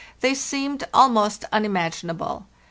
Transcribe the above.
They seemed almost unimaginable.